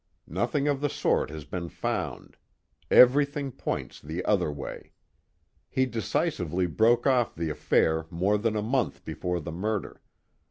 Nothing of the sort has been found; everything points the other way. He decisively broke off the affair more than a month before the murder.